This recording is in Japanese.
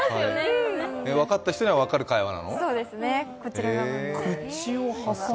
分かった人には分かる会話なの？